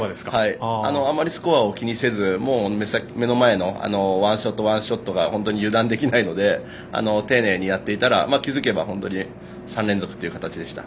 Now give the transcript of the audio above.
あまりスコアを気にせず目の前のワンショットワンショットが本当に油断できないので丁寧にやっていたら気付けば３連続という形でした。